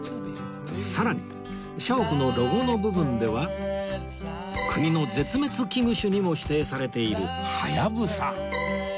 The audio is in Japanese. さらに社屋のロゴの部分では国の絶滅危惧種にも指定されているハヤブサ